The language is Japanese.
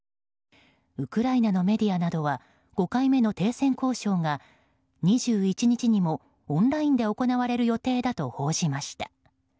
ウクライナのメディアなどは５回目の停戦交渉が２１日にもオンラインで行われる予定だと報じました。